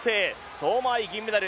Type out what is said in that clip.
相馬あい、銀メダル。